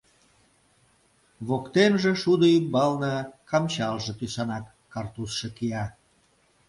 Воктенже, шудо ӱмбалне, камчалже тӱсанак картузшо кия.